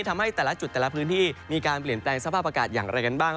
ทำให้แต่ละจุดแต่ละพื้นที่มีการเปลี่ยนแปลงสภาพอากาศอย่างไรกันบ้าง